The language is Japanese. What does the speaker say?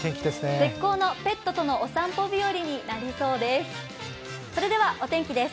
絶好のペットとのお散歩日和になりそうです。